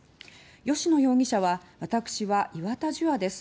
吉野容疑者は私は岩田樹亞です